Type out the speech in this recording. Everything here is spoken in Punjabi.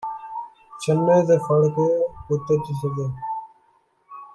ਛੰਨੇ ਦੇ ਫੜ੍ਹ ਕੇ ਪੁੱਤ ਜਿਸਦੇ